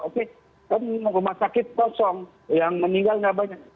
oke rumah sakit kosong yang meninggal tidak banyak